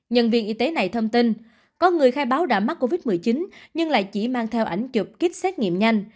nhân viên y tế này thông tin có người khai báo đã mắc covid một mươi chín nhưng lại chỉ mang theo ảnh chụp kích xét nghiệm nhanh